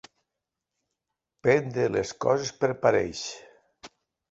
Prendre les coses per parells.